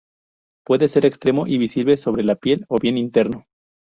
Puede ser externo y visible, sobre la piel, o bien interno.